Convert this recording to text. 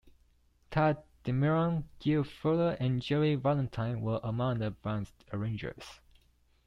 Tadd Dameron, Gil Fuller and Jerry Valentine were among the band's arrangers.